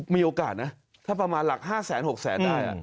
มีโอกาสนะถ้าประมาณหลัก๕แสน๖แสนได้